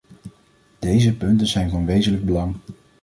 Deze punten zijn van wezenlijk belang.